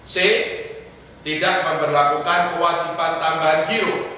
c tidak memperlakukan kewajiban tambahan giu